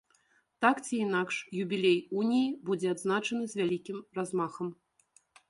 Так ці інакш, юбілей уніі будзе адзначаны з вялікім размахам.